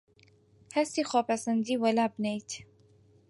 هەستی خۆپەسەندیی وەلابنێیت